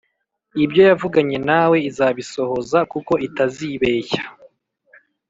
Ibyoyavuganye nawe izabisohoza kuko itazibeshya